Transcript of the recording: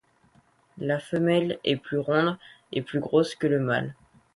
La femelle est plus ronde et plus grosse que le mâle.